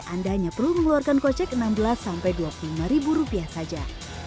anda hanya perlu mengeluarkan kocek rp enam belas rp dua puluh lima saja